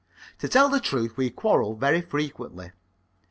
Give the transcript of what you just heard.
To tell the truth, we quarrelled very frequently.